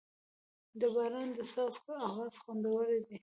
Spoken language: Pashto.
د باران د څاڅکو اواز خوندور دی.